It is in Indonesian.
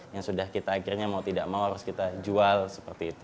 yang sudah kita akhirnya mau tidak mau harus kita jual seperti itu